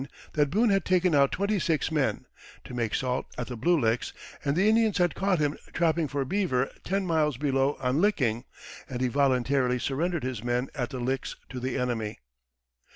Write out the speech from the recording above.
That Boone had taken out twenty six men to make salt at the Blue Licks, and the Indians had caught him trapping for beaver ten miles below on Licking, and he voluntarily surrendered his men at the Licks to the enemy.